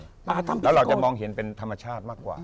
ป่าทำพิธีกรแล้วเราจะมองเห็นเป็นธรรมชาติมากกว่า